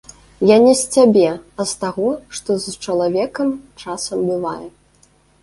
Я не з цябе, а з таго, што з чалавекам часам бывае.